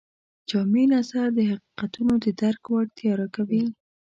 جامع نظر د حقیقتونو د درک وړتیا راکوي.